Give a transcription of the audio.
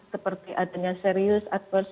seperti adanya serius adverse